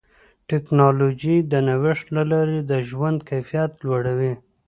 ټکنالوجي د نوښت له لارې د ژوند کیفیت لوړوي.